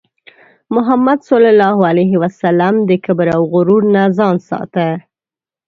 محمد صلى الله عليه وسلم د کبر او غرور نه ځان ساته.